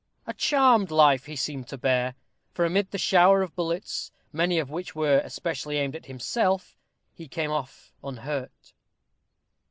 "A charmed life" he seemed to bear; for amid the shower of bullets, many of which were especially aimed at himself, he came off unhurt.